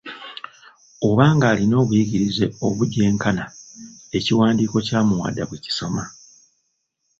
Oba ng'alina obuyigirize obugyenkana, ekiwandiiko kya Muwada bwe kisoma.